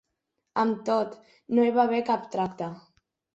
Amb tot, no hi va haver cap tracte.